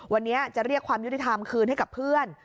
วันนี้จะเรียกความยุติธรรมคืนให้กับเพื่อน